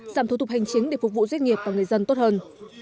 giảm thủ tục hành chính để phục vụ doanh nghiệp và người dân tốt hơn